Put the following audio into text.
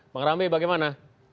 peng rambi bagaimana